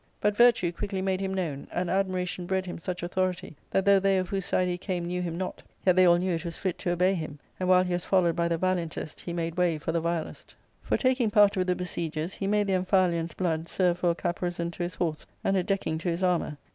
But virtue quickly made him known, and admiration bred him such audiority that though they of whose side he came knew him not, yet they all knew it was fit to obey him, and, while he was followed by the valiantest, he made way for the vilest For, taking part with the be siegers, he made the Amphialians' blood serve for a caparison to his horse and a decking to his 2«Tnour.